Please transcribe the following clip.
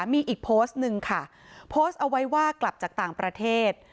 มีอีกโพสต์หนึ่งค่ะโพสต์เอาไว้ว่ากลับจากต่างประเทศ